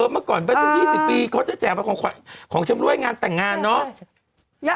เมื่อก่อนไปสัก๒๐ปีเขาจะแจกของชำรวยงานแต่งงานเนอะ